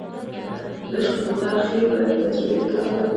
د عشق د ترخې تجربي له کبله